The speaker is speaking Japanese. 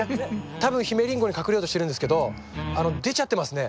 多分ヒメリンゴに隠れようとしてるんですけど出ちゃってますね。